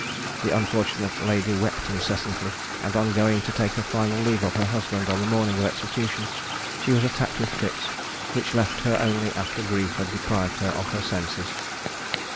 The unfortunate lady wept incessantly; and on her going to take her final leave of her husband, on the morning of execution, she was attacked with fits, which left her only after grief had deprived her of her senses.